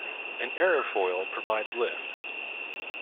An aerofoil provides lift